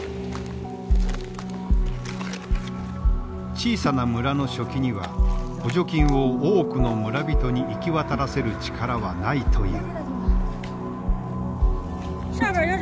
小さな村の書記には補助金を多くの村人に行き渡らせる力はないという。